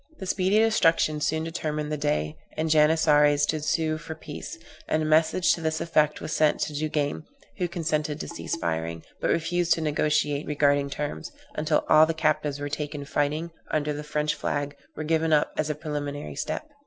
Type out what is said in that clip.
This speedy destruction soon determined the Dey and Janissaries to sue for peace; and a message to this effect was sent to Duguesne, who consented to cease firing, but refused to negociate regarding terms, until all the captives taken fighting under the French flag were given up as a preliminary step.